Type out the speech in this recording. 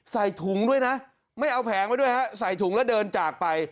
ใส่ถุงด้วยนะไม่เอาแผงไว้ด้วยฮะใส่ถุงแล้วเดินจากไป